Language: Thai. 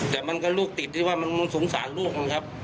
แต่มันก็ลูกติดที่ว่ามันสงสารลูกมันครับ